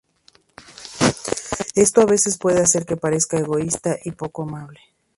Esto a veces puede hacer que parezca egoísta y poco amable.